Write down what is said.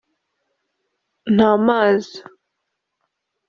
nta mazi